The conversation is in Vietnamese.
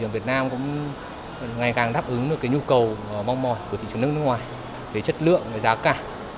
việt nam cũng ngày càng đáp ứng được cái nhu cầu mong mỏi của thị trường nước nước ngoài về chất lượng giá cả